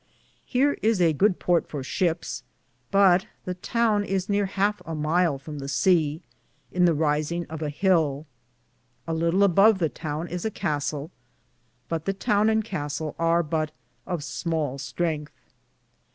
Hear is a good porte for ships ; but the towne is neare halfe a myle from the sea, in the risinge of a hill. A litle a bove the towne is a castle, but the towne and Castele ar but of smale strength.